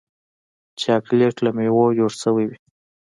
چاکلېټ له میوو جوړ شوی وي.